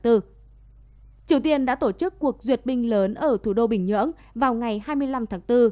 triều tiên đã tổ chức cuộc duyệt binh lớn ở thủ đô bình nhưỡng vào ngày hai mươi năm tháng bốn